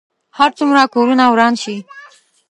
هر څومره کورونه وران شي.